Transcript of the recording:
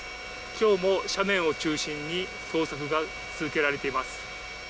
今日も斜面を中心に捜索が続けられています。